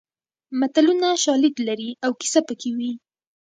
متلونه شالید لري او کیسه پکې وي